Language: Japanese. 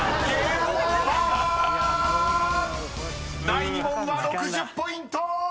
［第２問は６０ポイント！］